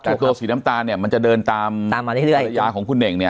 แต่ตัวสีน้ำตาลเนี้ยมันจะเดินตามตามมาเรื่อยเรื่อยภรรยาของคุณเองเนี้ย